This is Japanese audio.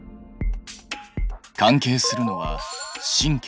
関係するのは神経。